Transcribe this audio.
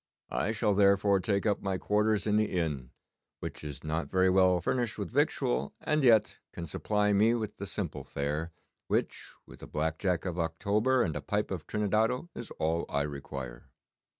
I shall therefore take up my quarters in the inn, which is not very well furnished with victual, and yet can supply me with the simple fare, which with a black Jack of October and a pipe of Trinidado is all I require.